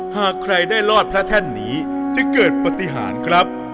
หากใครได้รอดพระแท่นนี้จะเกิดปฏิหารครับ